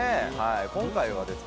今回はですね